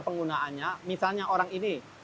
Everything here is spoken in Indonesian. penggunaannya misalnya orang ini